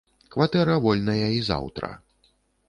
Кватэра вольная і заўтра.